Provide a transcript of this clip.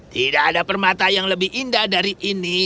tidak ada permata yang lebih indah dari ini